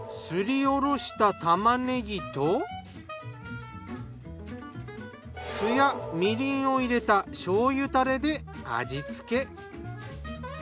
すりおろした玉ねぎと酢やみりんを入れた醤油たれで味付け。